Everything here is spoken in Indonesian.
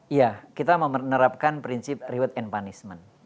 iya kita menerapkan prinsip reward and punishment